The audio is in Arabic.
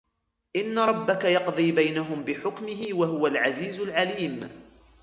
إن ربك يقضي بينهم بحكمه وهو العزيز العليم